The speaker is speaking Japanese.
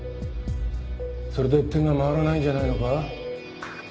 それで手が回らないんじゃないのか？